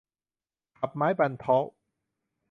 ขับไม้บัณเฑาะว์